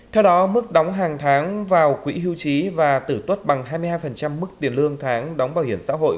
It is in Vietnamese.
theo đó mức đóng hàng tháng vào quỹ hưu trí và tử tuất bằng hai mươi hai mức tiền lương tháng đóng bảo hiểm xã hội